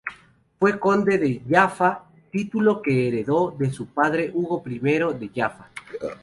Fue Conde de Jaffa, título que heredó de su padre Hugo I de Jaffa.